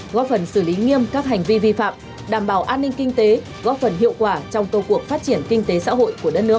góp phần xử lý nghiêm các hành vi vi phạm đảm bảo an ninh kinh tế góp phần hiệu quả trong công cuộc phát triển kinh tế xã hội của đất nước